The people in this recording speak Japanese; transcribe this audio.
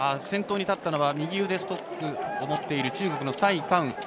先頭に立ったのは右腕にストックを持っている中国の蔡佳雲。